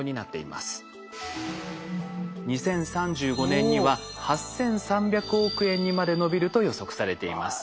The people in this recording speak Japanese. ２０３５年には８，３００億円にまで伸びると予測されています。